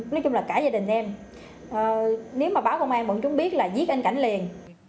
nói chung là cả gia đình em nếu mà báo công an vẫn chúng biết là giết anh cảnh liền